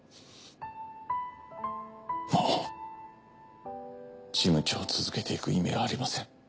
もう事務長を続けていく意味はありません。